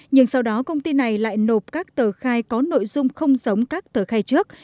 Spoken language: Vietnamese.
nhưng sau đó công ty này lại nộp các tờ khai có nội dung không giống các tờ khai trước